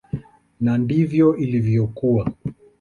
Na ndivyo ilivyokuwa.